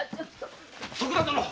徳田殿。